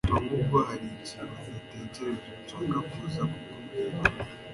ahubwo hari ikintu natekereje nshaka kuza kukubwira